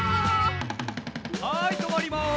はいとまります。